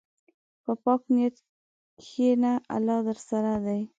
په پاک نیت کښېنه، الله درسره دی.